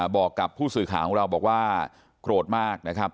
บอกกับผู้สื่อข่าวของเราบอกว่าโกรธมากนะครับ